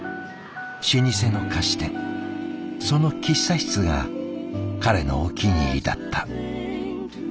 老舗の菓子店その喫茶室が彼のお気に入りだった。